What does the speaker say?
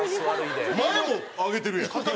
前も上げてるやん。